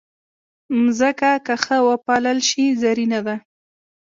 مځکه که ښه وپالل شي، زرینه ده.